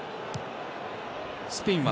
スペインは。